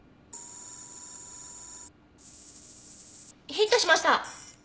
ヒットしました！